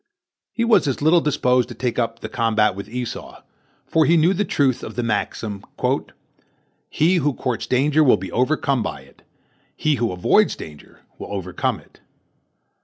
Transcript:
He was as little disposed to take up the combat with Esau, for he knew the truth of the maxim, "He who courts danger will be overcome by it; he who avoids danger will overcome it."